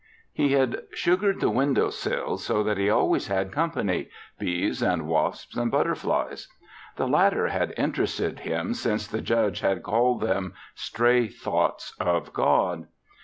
He had sugared the window sill so that he always had company bees and wasps and butterflies. The latter had interested him since the Judge had called them "stray thoughts of God."